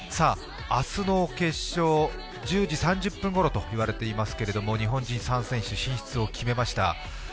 明日の決勝、１０時３０分ごろといわれていますけれど日本人３選手、進出を決めました。